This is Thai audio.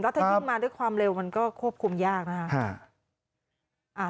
ถ้ายิ่งมาด้วยความเร็วมันก็ควบคุมยากนะคะ